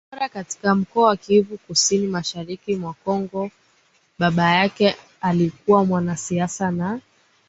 Bora katika mkoa wa Kivu Kusini mashariki mwa Kongo Baba yake alikuwa mwanasiasa na